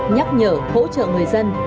nhắc nhở hỗ trợ người dân